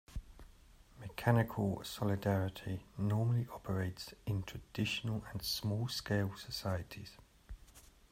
Mechanical solidarity normally operates in "traditional" and small scale societies.